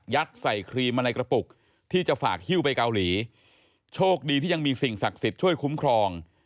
ใส่ครีมมาในกระปุกที่จะฝากฮิ้วไปเกาหลีโชคดีที่ยังมีสิ่งศักดิ์สิทธิ์ช่วยคุ้มครอง